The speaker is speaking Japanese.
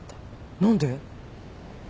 何で？